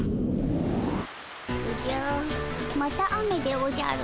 おじゃまた雨でおじゃる。